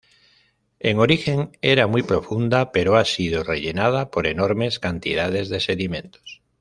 En origen era muy profunda, pero ha sido rellenada por enormes cantidades de sedimentos.